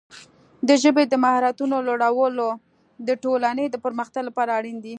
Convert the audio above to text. د ژبې د مهارتونو لوړول د ټولنې د پرمختګ لپاره اړین دي.